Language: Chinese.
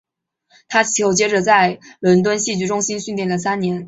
他其后接着在伦敦戏剧中心训练了三年。